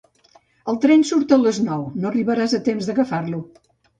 El tren surt a les nou: no arribaràs a temps d'agafar-lo.